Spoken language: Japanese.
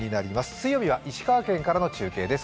水曜日は石川県からの中継です。